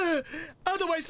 アドバイス